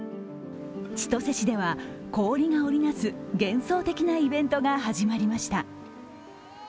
千歳市では氷が織りなす幻想的なイベントが始まりました。